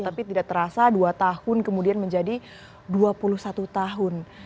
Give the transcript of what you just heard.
tapi tidak terasa dua tahun kemudian menjadi dua puluh satu tahun